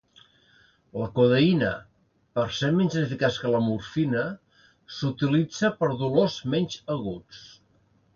La codeïna, per ser menys eficaç que la morfina, s'utilitza per dolors menys aguts.